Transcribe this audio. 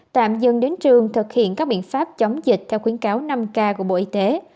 tạm dừng đến trường thực hiện các biện pháp chống dịch theo khuyến cáo năm k của bộ y tế